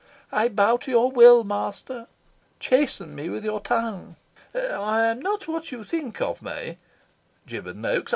I bow to your will, master. Chasten me with your tongue." "I am not what you think me," gibbered Noaks.